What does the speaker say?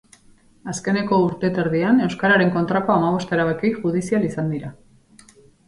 Azkeneko urte eta erdian euskararen kontrako hamabost erabaki judizial izan dira.